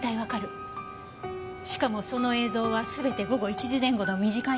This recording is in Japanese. しかもその映像は全て午後１時前後の短い間。